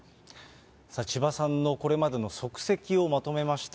千葉さんのこれまでの足跡をまとめました。